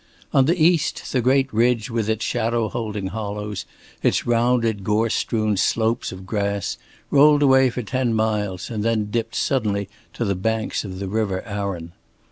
On the east the great ridge with its shadow holding hollows, its rounded gorse strewn slopes of grass, rolled away for ten miles and then dipped suddenly to the banks of the River Arun.